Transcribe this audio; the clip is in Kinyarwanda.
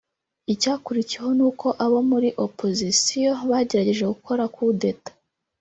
Icyakurikiyeho n’uko abo muri opozisiyo bagerageje gukora kudeta